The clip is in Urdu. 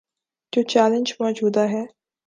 جو چیلنج موجود ہے۔